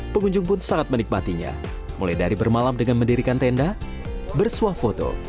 pengunjung pun sangat menikmatinya mulai dari bermalam dengan mendirikan tenda bersuah foto